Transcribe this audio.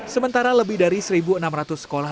sementara lebih dari satu enam ratus sekolah